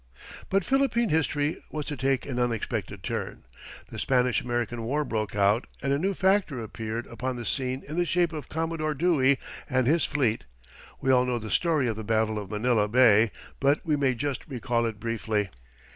But Philippine history was to take an unexpected turn. The Spanish American war broke out, and a new factor appeared upon the scene in the shape of Commodore Dewey and his fleet. We all know the story of the battle of Manila Bay, but we may just recall it briefly.